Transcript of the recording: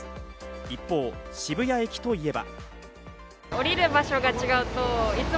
一方、渋谷駅といえば。